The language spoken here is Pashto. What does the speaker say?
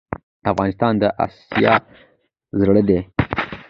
افغانستان دي اسيا زړه ده